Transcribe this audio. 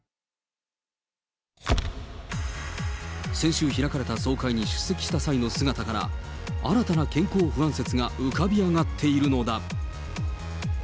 先週開かれた総会に出席した際の姿から、新たな健康不安説が浮かび上がっているのだ。